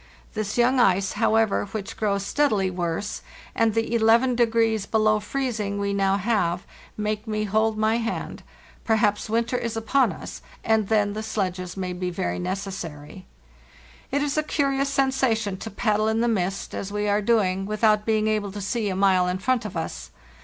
This young ice, however, which grows steadily worse, and the eleven degrees below freezing we now have, make me hold my hand. Perhaps winter 1s upon us, and then the sledges may be very necessary, "It is a curious sensation to paddle in the mist, as we are doing, without being able to see a mile in front of us.